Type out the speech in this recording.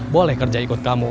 boleh kerja ikut kamu